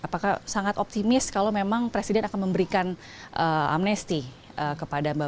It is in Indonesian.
apakah sangat optimis kalau memang presiden akan memberikan amnesti kepada mbak